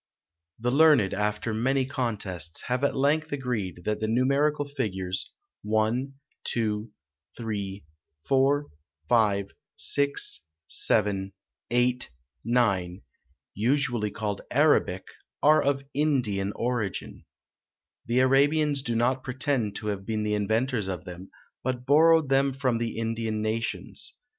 The learned, after many contests, have at length agreed that the numerical figures 1, 2, 3, 4, 5, 6, 7, 8, 9, usually called Arabic, are of Indian origin. The Arabians do not pretend to have been the inventors of them, but borrowed them from the Indian nations.